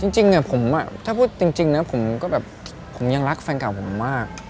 จริงถ้าพูดจริงนะผมก็แบบผมยังรักแฟนเก่าผมมาก